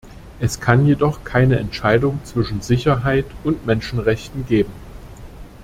Es kann jedoch keine Entscheidung zwischen Sicherheit und Menschenrechten geben.